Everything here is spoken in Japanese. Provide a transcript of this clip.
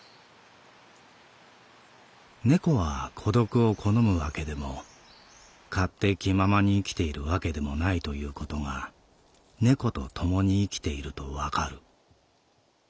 「猫は孤独を好むわけでも勝手気ままに生きているわけでもないということが猫とともに生きているとわかる。